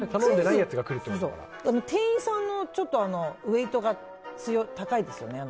店員さんのウェートが高いですよね。